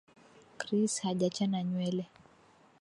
Chris hajachana nywele.